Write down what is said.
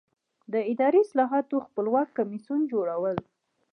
د اداري اصلاحاتو خپلواک کمیسیون جوړول.